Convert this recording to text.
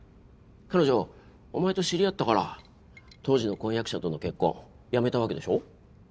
彼女お前と知り合ったから当時の婚約者との結婚やめたわけでしょ。